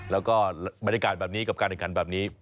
แล้วก็บรรยากาศแบบนี้กับการแข่งขันแบบนี้